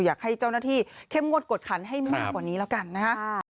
อยากให้เจ้าหน้าที่เข้มงวดกวดขันให้มากกว่านี้แล้วกันนะฮะ